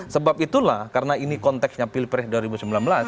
sebab itulah karena ini konteksnya pilpres dua ribu sembilan belas